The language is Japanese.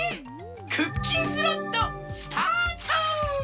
クッキンスロットスタート！